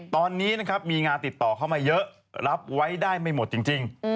ตอนนี้นะครับมีงานติดต่อเข้ามาเยอะรับไว้ได้ไม่หมดจริง